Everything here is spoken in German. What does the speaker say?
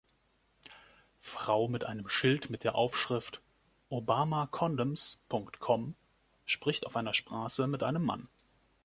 Frau mit einem Schild mit der Aufschrift „Obamacondoms.com“ spricht auf einer Straße mit einem Mann.